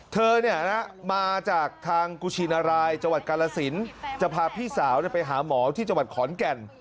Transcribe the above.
เธอมาจากทางกุชินรายจังหวัดกาลสินจะพาพี่สาวไปหาหมอที่จังหวัดขอนแก่น